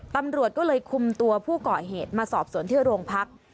ตำรวจก็เลยคุมตัวผู้ก่อเหตุมาสอบสวนที่โรงพัก